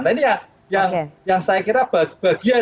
nah ini yang saya kira bagian